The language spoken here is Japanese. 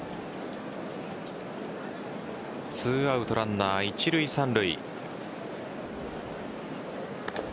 ２アウトランナー一塁・三塁。